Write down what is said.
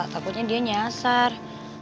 takutnya dia nyasar